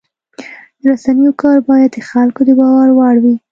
د رسنیو کار باید د خلکو د باور وړ وي.